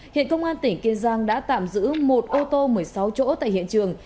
hiện công an tỉnh kiên giang đã tạm giữ một ô tô một mươi sáu chỗ tại hiện trường